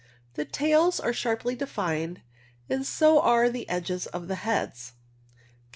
The tails are sharply defined, and so are the edges of the heads. Ci.